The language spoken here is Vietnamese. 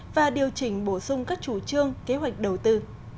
và điều chỉnh bổ sung các chủ trương kế hoạch đầu tư